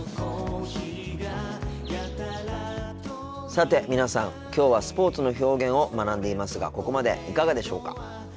さて皆さんきょうはスポーツの表現を学んでいますがここまでいかがでしょうか。